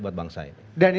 buat bangsa ini